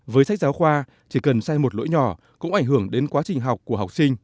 với sách giáo khoa chỉ cần sai một lỗi nhỏ cũng ảnh hưởng đến quá trình học của học sinh